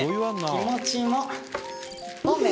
気持ちも」